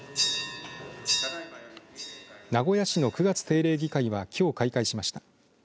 名古屋市の９月定例議会はきょう開会しました。